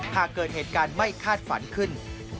ในวังวมมีการไม่คาดฝันขึ้น